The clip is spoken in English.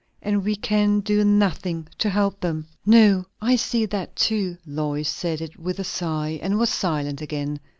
And we can do nothing to help them." "No, I see that too." Lois said it with a sigh, and was silent again.